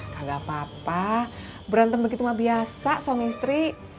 gak apa apa berantem begitu mah biasa suami istri